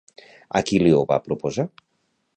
A qui li ho va proposar?